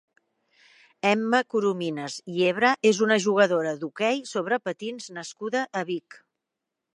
Emma Corominas Yebra és una jugadora d'hoquei sobre patins nascuda a Vic.